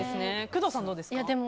工藤さんはどうですか？